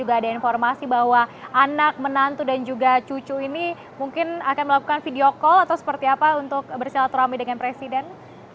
ada informasi bahwa anak menantu dan juga cucu ini mungkin akan melakukan video call atau seperti apa untuk bersilaturahmi dengan presiden